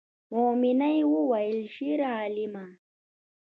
میمونۍ وویل شیرعالمه